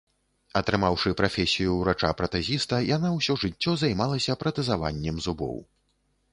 Атрымаўшы прафесію ўрача-пратэзіста, яна ўсё жыццё займалася пратэзаваннем зубоў.